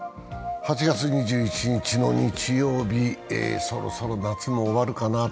８月２１日の日曜日、そろそろ夏も終わるかな。